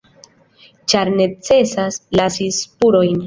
Ĉar necesas lasi spurojn”.